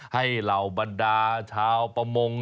เหล่าบรรดาชาวประมง